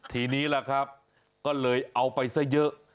ทีนี้ล่ะครับก็เลยเอาไปซะเยอะ